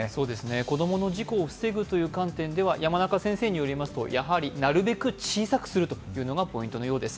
子供の事故を防ぐという観点では山中先生によりますとなるべく小さくするというのがポイントのようです。